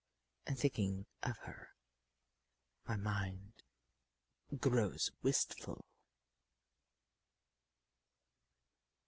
And thinking of her, my mind grows wistful.